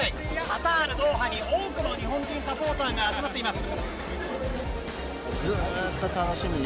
カタール・ドーハに多くの日本人サポーターが集まっています。